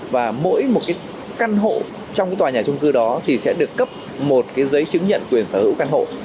và mỗi một cái căn hộ trong tòa nhà trung cư đó thì sẽ được cấp một cái giấy chứng nhận quyền sở hữu căn hộ